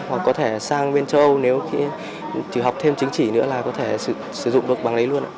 hoặc có thể sang bên châu âu nếu chỉ học thêm chính trị nữa là có thể sử dụng được bằng đấy luôn